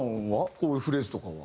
こういうフレーズとかは。